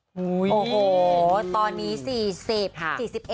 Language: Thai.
โอ้โหตอนนี้๔๐๑